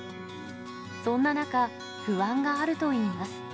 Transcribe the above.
そんな中、不安があるといいます。